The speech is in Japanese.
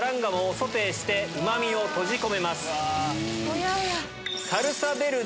ソテーしてうま味を閉じ込めます。